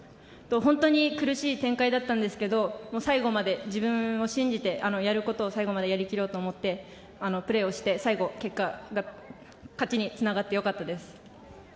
本当に苦しい展開だったんですが最後まで自分を信じてやることを最後までやり切ろうと思ってプレーをして最後、結果が勝ちにつながってよかったです。